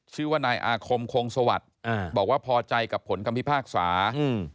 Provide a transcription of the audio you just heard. ชื่อว่านายอาคมคงสวัสดิ์อ่าบอกว่าพอใจกับผลคำพิพากษาอืม